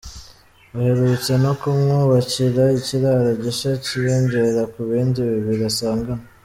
Baherutse no kumwubakira ikiraro gishya cyiyongera ku bindi bibiri asanganwe.